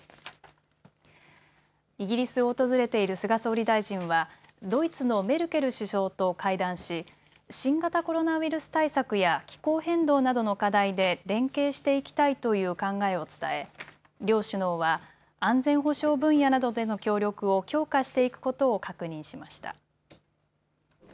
イギリスを訪れている菅総理大臣はドイツのメルケル首相と会談し新型コロナウイルス対策や気候変動などの課題で連携していきたいという考えを伝え、両首脳は安全保障分野などでの協力を強化していくことを確認しました。